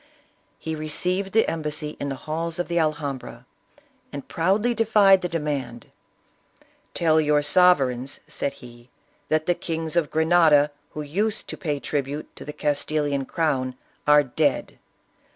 He received the embassy in the halls of the Alhambra, and proudly defied the demand. " Tell your sovereigns," said he, " that the kings of Grenada who used to pay tribute to the Castilian crown are dead.